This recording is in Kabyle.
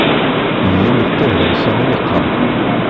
Mmi d tadamsa i yeqqar.